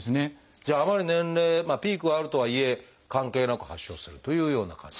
じゃああまり年齢ピークはあるとはいえ関係なく発症するというような感じ。